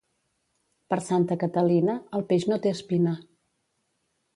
Per Santa Catalina, el peix no té espina.